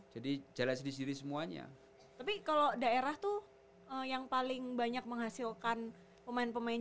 jadi jelas di sini semuanya tapi kalau daerah itu yang paling banyak menghasilkan pemain pemain